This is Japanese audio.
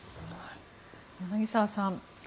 柳澤さん